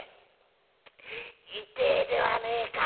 痛えではねえか」。